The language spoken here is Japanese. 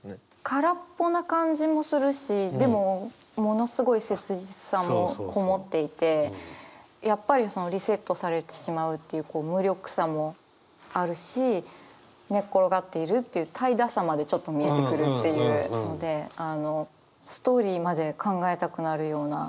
空っぽな感じもするしでもものすごい切実さも籠もっていてやっぱりリセットされてしまうっていう無力さもあるし寝っ転がっているっていう怠惰さまでちょっと見えてくるっていうのでストーリーまで考えたくなるような。